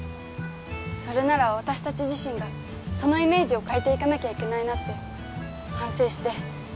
それなら私たち自身がそのイメージを変えていかなきゃいけないなって反省して。